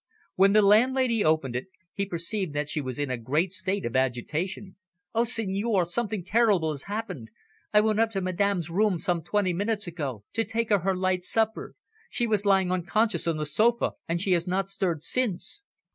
When the landlady opened it, he perceived that she was in a great state of agitation. "Oh, senor, something terrible has happened. I went up to madame's room some twenty minutes ago to take her her light supper. She was lying unconscious on the sofa, and she has not stirred since."